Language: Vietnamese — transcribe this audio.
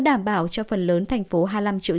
đảm bảo cho phần lớn thành phố hai mươi năm triệu